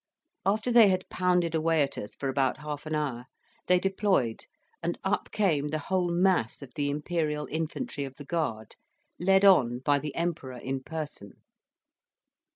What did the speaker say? After they had pounded away at us for about half an hour, they deployed, and up came the whole mass of the Imperial infantry of the Guard, led on by the Emperor in person.